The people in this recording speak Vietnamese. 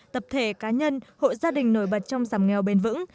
tập thể cá nhân hội gia đình nổi bật trong giảm nghèo bền vững